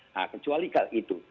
nah kecuali itu